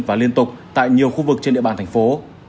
và liên tục tại nhiều khu vực trên địa bàn thành phố